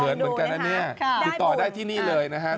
เหมือนกันนะเนี่ยติดต่อได้ที่นี่เลยนะครับ